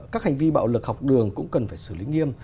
các hành vi bạo lực học đường cũng cần phải xử lý nghiêm